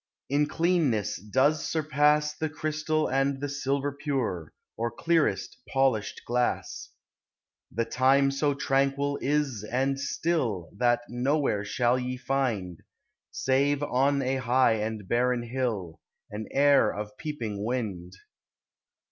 In cleanness does surpass The crystal and the silver pure, Or clearest polishl glass. The time so tranquil is and si ill, That nowhere shall ye find, Save oil a high and barren hill. An air of peeping wind.